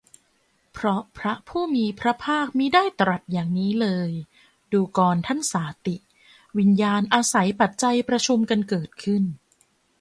เพราะพระผู้มีพระภาคมิได้ตรัสอย่างนี้เลย ดูกรท่านสาติ วิญญาณอาศัยปัจจัยประชุมกันเกิดขึ้น